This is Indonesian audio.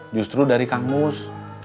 justru dari kang mus